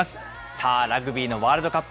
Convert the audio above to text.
さあ、ラグビーのワールドカップ